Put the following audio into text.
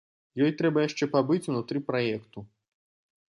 Ёй трэба яшчэ пабыць унутры праекту.